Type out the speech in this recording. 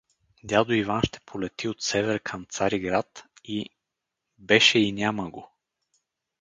Дядо Иван ще полети от север към Цариград и… беше и няма го!